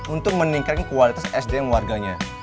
untuk meningkatkan kualitas sdm warganya